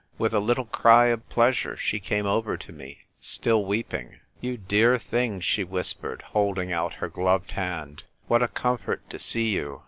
With a little cry of pleasure, she came over to me, still weeping. " You dear thing !" she whispered, holding out her gloved hand, "what a comfort to see you